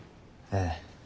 ええ。